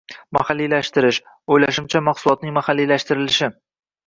Mahalliylashtirish, oʻylashimcha, mahsulotning mahalliylashtirilishi.